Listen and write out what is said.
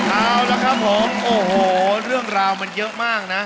เอาละครับผมโอ้โหเรื่องราวมันเยอะมากนะ